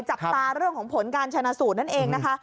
จับตาเรื่องของผลการชนะสูตรนั่นเองนะคะ